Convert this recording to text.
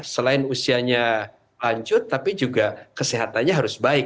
selain usianya lanjut tapi juga kesehatannya harus baik